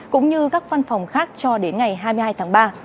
cũng như các văn phòng khác cho đến ngày hai mươi hai tháng ba